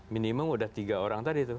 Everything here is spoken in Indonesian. minimum sudah tiga orang tadi itu